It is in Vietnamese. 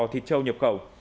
thịt trâu nhập khẩu